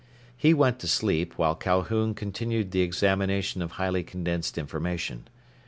He went to sleep, while Calhoun continued the examination of highly condensed information.